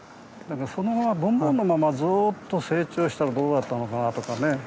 そのままボンボンのままずっと成長したらどうだったのかなとかね。